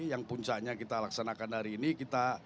yang puncaknya kita laksanakan hari ini